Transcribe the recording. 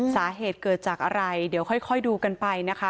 สาเหตุเกิดจากอะไรเดี๋ยวค่อยดูกันไปนะคะ